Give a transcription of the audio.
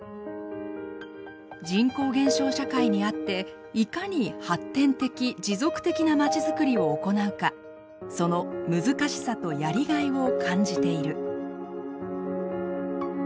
「人口減少社会にあっていかに発展的持続的なまちづくりを行うかその難しさとやりがいを感じている」。